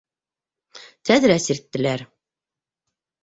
Тәҙрә сирттеләр.